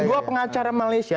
dua pengacara malaysia